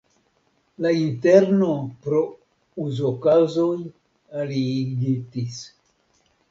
La interno pro uzokaŭzoj aliigitis.